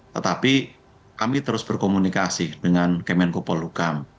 tetapi kami terus berkomunikasi dengan kemenko polhukam